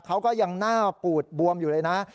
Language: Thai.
เขาก็ยังหน้าปูดบวมอยู่เลยนะ